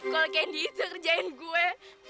kalau candy itu kerjain gue